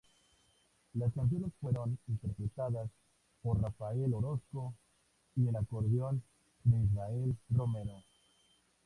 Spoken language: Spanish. Las canciones fueron interpretadas por Rafael Orozco y el acordeón de Israel Romero.